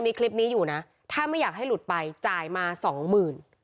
มีคลิปนี้อยู่นะถ้าไม่อยากให้หลุดไปจ่ายมาสองหมื่น